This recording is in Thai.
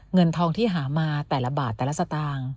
เงินทองที่หามาแต่ละบาทแต่ละสตางค์